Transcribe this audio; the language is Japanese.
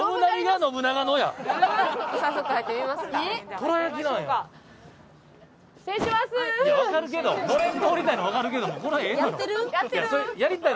のれん通りたいのわかるけどもこれはええがな。